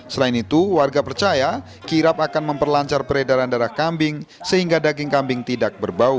selain itu warga percaya kirap akan memperlancar peredaran darah kambing sehingga daging kambing tidak berbau